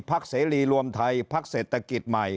เสรีรวมไทยพักเศรษฐกิจใหม่